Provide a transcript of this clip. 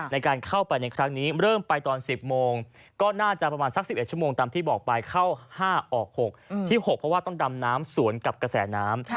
ในการเข้าไปในครั้งนี้เริ่มไปตอน๑๐โมงก็น่าจะประมาณสัก๑๑ชั่วโมงตามที่บอกไปเข้า๕ออก๖ที่๖เพราะว่าต้องดำน้ำสวนกับกระแสน้ำ